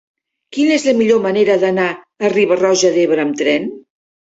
Quina és la millor manera d'anar a Riba-roja d'Ebre amb tren?